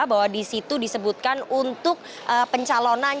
bahwa di situ disebutkan untuk pencalonan